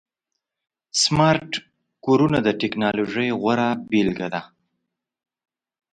سمارټ کورونه د ټکنالوژۍ غوره بيلګه ده.